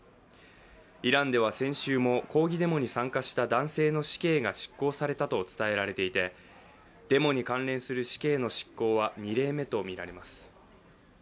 イランでは先週も抗議デモに参加した男性の死刑が執行されたと伝えられていてデモに関連する死刑の執行は２例目とみられます。